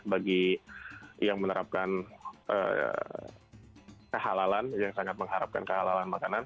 bagi yang menerapkan kehalalan yang sangat mengharapkan kehalalan makanan